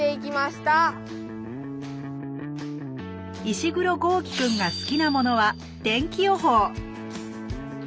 石黒豪輝くんが好きなものは天気予報